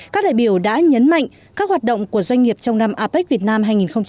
các đại biểu đã nhấn mạnh các hoạt động của doanh nghiệp trong năm apec việt nam hai nghìn hai mươi